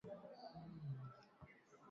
Mimi nilimshinda katika mitihani